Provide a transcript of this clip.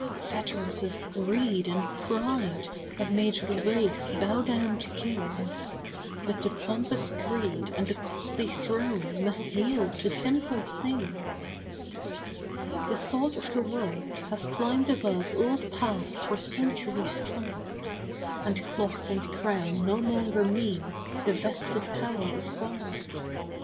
Fetters of greed and pride have made the race bow down to kings; But the pompous creed and the costly throne must yield to simpler things. The thought of the world has climbed above old paths for centuries trod; And cloth and crown no longer mean the 'vested power of God.